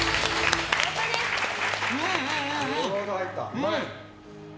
うまーい！